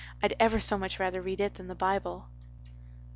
"I'd ever so much rather read it than the Bible."